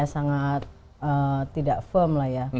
sangat tidak firm